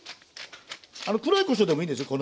黒いこしょうでもいいですよ